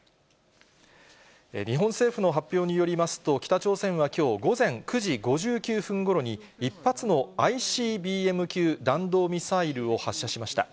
日本政府の発表によりますと、北朝鮮はきょう午前９時５９分ごろに、１発のＩＣＢＭ級弾道ミサイルを発射しました。